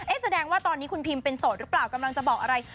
แสดงว่าตอนนี้คุณพิมเป็นโสดหรือเปล่ากำลังจะบอกอะไร